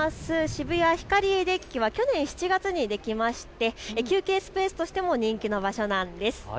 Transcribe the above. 渋谷ヒカリエは去年７月にできまして、休憩スペースとしても人気の場所なんです。